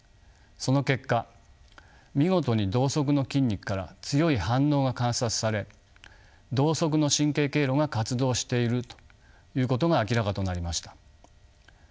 その結果見事に同側の筋肉から強い反応が観察され同側の神経経路が活動しているということが明らかとなりました。